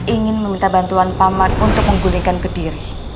ingin meminta bantuan pamar untuk menggulingkan kediri